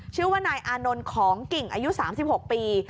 ชื่อว่านายอานนท์ของกิ่งอายุ๓๖ปี